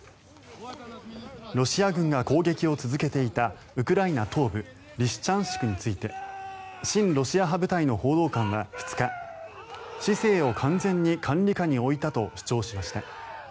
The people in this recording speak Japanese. ロシア軍が攻撃を続けていたウクライナ東部リシチャンシクについて親ロシア派部隊の報道官は２日市政を完全に管理下に置いたと主張しました。